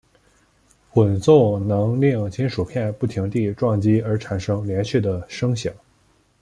滚奏能令金属片不停地撞击而产生连续的声响。